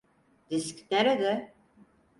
Disk nerede?